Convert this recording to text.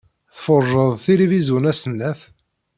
Tfuṛṛjed tilivizyun asennaṭ?